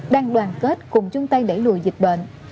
đang đoàn kết cùng chung tay đẩy lùi dịch bệnh